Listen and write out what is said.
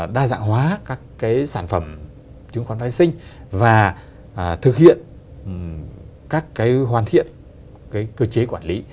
đa dạng hóa các cái sản phẩm chứng khoán vệ sinh và thực hiện các cái hoàn thiện cái cơ chế quản lý